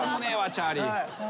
チャーリー。